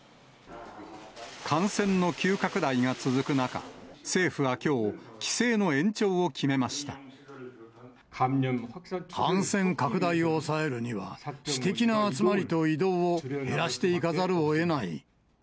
感染の急拡大が続く中、政府はきょう、感染拡大を抑えるには、私的な集まりと移動を減らしていかざるをえない。